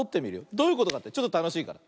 どういうことかってちょっとたのしいから。